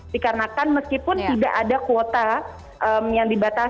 dikarenakan meskipun tidak ada kuota yang dibatasi